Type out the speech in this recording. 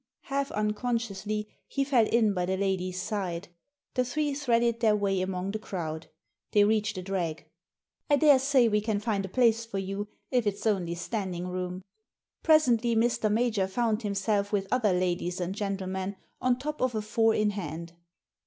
Half unconsciously, he fell in by the lady's side. The three threaded their way among the crowd. They reached a drag. I daresay we can find a place for you, if it's only standing room." Presently Mr. Major found himself, with other ladies and gentlemen, on top of a four in hand.